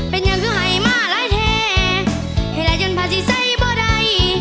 เป็นอย่างคือใหม่มาร้ายแทรกให้รายยนต์ภาษีใส่บ่ดัย